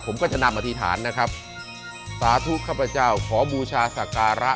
ผมก็จะนำอธิษฐานนะครับสาธุข้าพเจ้าขอบูชาศักระ